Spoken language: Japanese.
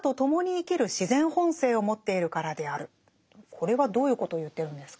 これはどういうことを言ってるんですか？